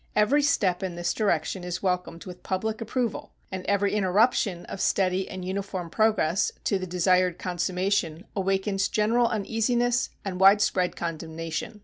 Every step in this direction is welcomed with public approval, and every interruption of steady and uniform progress to the desired consummation awakens general uneasiness and widespread condemnation.